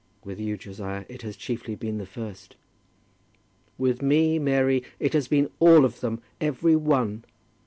"With you, Josiah, it has chiefly been the first." "With me, Mary, it has been all of them, every one!